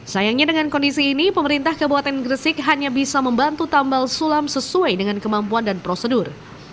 sayangnya dengan kondisi ini pemerintah kabupaten gresik hanya bisa membantu tambal sulam sesuai dengan kemampuan dan prosedur